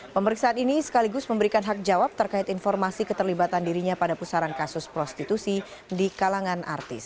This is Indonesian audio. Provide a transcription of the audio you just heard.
pemeriksaan ini sekaligus memberikan hak jawab terkait informasi keterlibatan dirinya pada pusaran kasus prostitusi di kalangan artis